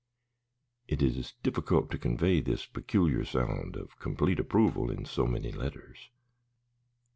Uh!" (It is difficult to convey this peculiar sound of complete approval in so many letters.)